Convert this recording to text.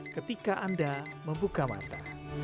ketika anda membuka mata